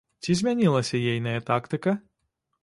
Ці змянілася ейная тактыка?